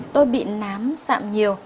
tôi bị nám sạm nhiều